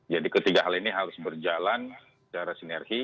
jadi ketiga hal ini harus berjalan secara sinergi